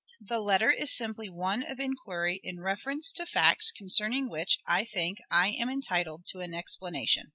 The letter is simply one of inquiry in reference to facts concerning which, I think, I am entitled to an explanation.